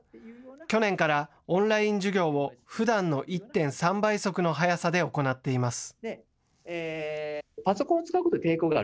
去年からオンライン授業をふだんの１．３倍速の速さで行っています。